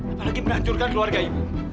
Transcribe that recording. apalagi menghancurkan keluarga ibu